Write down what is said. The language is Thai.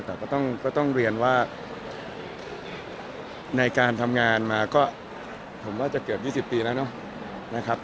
แต่ก็ต้องเรียนว่าในการทำงานมาก็ผมว่าจะเกือบ๒๐ปีแล้วเนอะนะครับ